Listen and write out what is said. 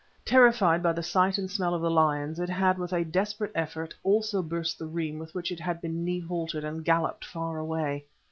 Terrified by the sight and smell of the lions, it had with a desperate effort also burst the reim with which it had been knee haltered, and galloped far away.